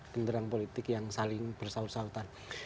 genderang politik yang saling bersaut sautan